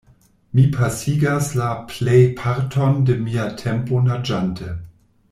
Mi pasigas la plejparton de mia tempo naĝante.